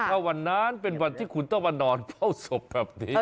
ถ้าวันนั้นเป็นวันที่คุณต้องมานอนเฝ้าศพแบบนี้